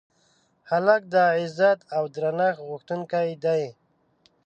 هلک د عزت او درنښت غوښتونکی دی.